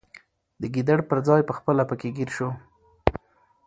د ګیدړ پر ځای پخپله پکښي ګیر سو